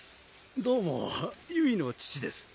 どうもゆいの父です